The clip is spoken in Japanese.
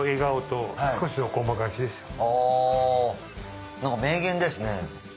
あ何か名言ですね。